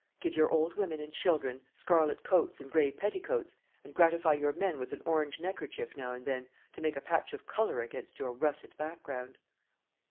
Give your old women and children scarlet cloaks and gray petticoats, and gratify your men with an orange neckerchief now and then, to make a patch of colour against your russet background."